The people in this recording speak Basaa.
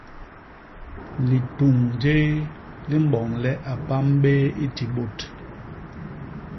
Lituñ jéé li mboñ le a pam béé i ti bôt.